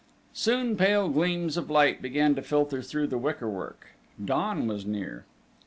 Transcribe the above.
Soon pale gleams of light began to filter through the wickerwork: dawn was near.